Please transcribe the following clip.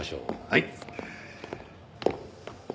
はい。